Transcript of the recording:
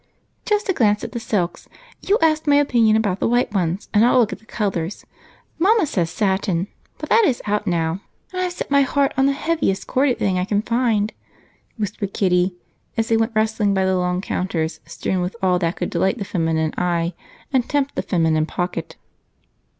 "Just a glance at the silks. You ask my opinion about white ones, and I'll look at the colors. Mama says satin, but that is out now, and I've set my heart on the heaviest corded thing I can find," whispered Kitty as they went rustling by the long counters strewn with all that could delight the feminine eye and tempt the feminine pocket.